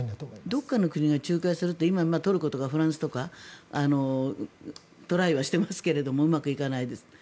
どこかの国が仲介するというトルコとかフランスとかトライはしてますけどうまくいかないですと。